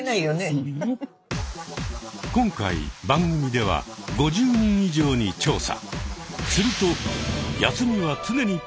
今回番組では５０人以上に調査。